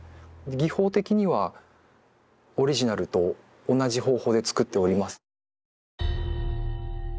技法的にはオリジナルと同じ方法でつくっております。